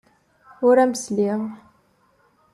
Ur am-sliɣ.